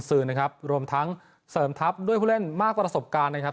สื่อนะครับรวมทั้งเสริมทัพด้วยผู้เล่นมากประสบการณ์นะครับ